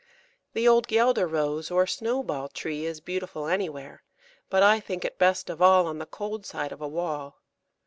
The old Guelder Rose or Snowball tree is beautiful anywhere, but I think it best of all on the cold side of a wall.